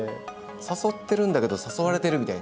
誘ってるんだけど誘われてるみたいな。